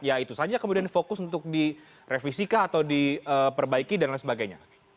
ya itu saja kemudian fokus untuk direvisi kah atau diperbaiki dan lain sebagainya